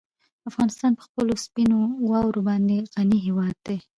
افغانستان په خپلو سپینو واورو باندې غني هېواد دی.